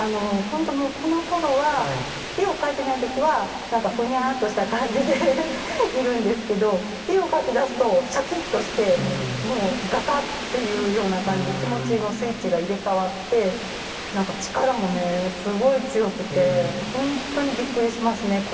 ほんともうこのころは絵を描いてない時はふにゃっとした感じでいるんですけど絵を描きだすとしゃきっとしてもう画家っていうような感じで気持ちのスイッチが入れ替わって何か力もねすごい強くてほんとにびっくりしますね